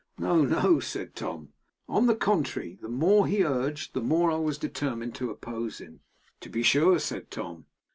'No, no,' said Tom. 'On the contrary, the more he urged, the more I was determined to oppose him.' 'To be sure!' said Tom.